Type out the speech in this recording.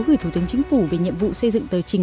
gửi thủ tướng chính phủ về nhiệm vụ xây dựng tờ trình